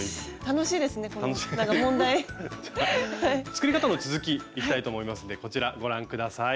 作り方の続きいきたいと思いますんでこちらご覧下さい。